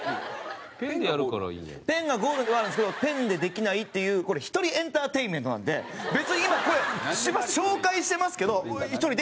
ペンがゴールではあるんですけどペンでできないっていうこれ１人エンターテインメントなんで別に今ここで紹介してますけど１人で家で遊んでるという感じ。